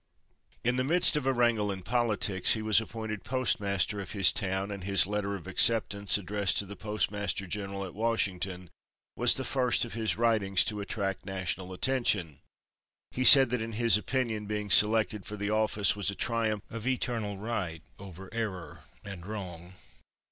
In the midst of a wrangle in politics he was appointed Postmaster of his town and his letter of acceptance, addressed to the Postmaster General at Washington, was the first of his writings to attract national attention. He said that in his opinion, his being selected for the office was a triumph of eternal right over error and wrong.